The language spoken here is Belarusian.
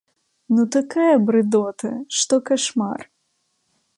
Ну такая брыдота, што кашмар.